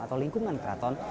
atau lingkungan keraton